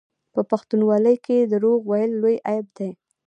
په پښتونولۍ کې دروغ ویل لوی عیب دی.